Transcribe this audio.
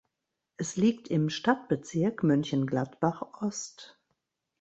Es liegt im Stadtbezirk Mönchengladbach Ost.